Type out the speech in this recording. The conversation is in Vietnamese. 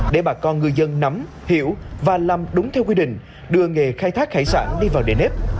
để bà con người dân nắm hiểu và làm đúng theo quy định đưa nghề khai thác hải sản đi vào đề nếp